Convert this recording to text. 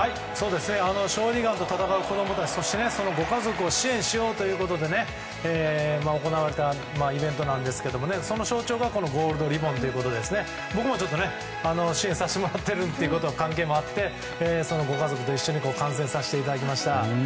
小児がんと闘う子供たちとそのご家族を支援しようと行われたイベントなんですがその象徴がこのゴールドリボンということで僕も支援させてもらっている関係もあって、そのご家族と観戦させていただきました。